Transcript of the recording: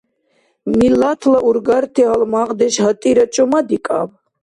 Миллатла ургарти гьалмагъдеш гьатӀира чӀумадикӀаб!